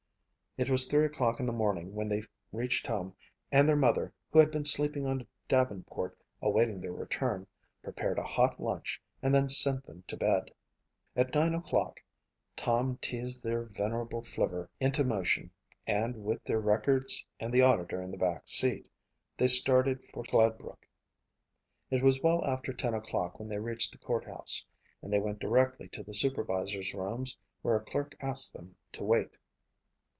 It was three o'clock in the morning when they reached home and their mother, who had been sleeping on a davenport awaiting their return, prepared a hot lunch and then sent them to bed. At nine o'clock Tom teased their venerable flivver into motion and with their records and the auditor in the back seat, they started for Gladbrook. It was well after ten o'clock when they reached the courthouse and they went directly to the supervisors' rooms where a clerk asked them to wait.